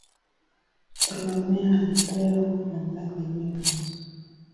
Ptolemaio alipewa mamlaka juu ya Misri.